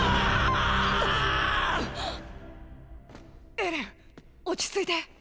エレン落ち着いて。